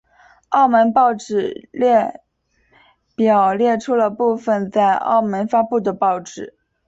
澳门报纸列表列出了部分在澳门发行的报纸。